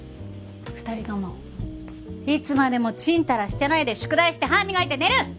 ２人ともいつまでもちんたらしてないで宿題して歯磨いて寝る！